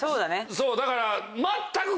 そうだから。